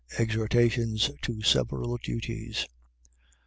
Exhortations to several duties.